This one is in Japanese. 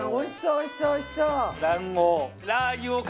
おいしそうおいしそう！